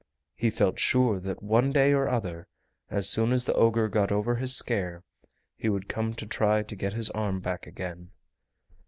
He felt sure that one day or other, as soon as the ogre got over his scare, he would come to try to get his arm back again.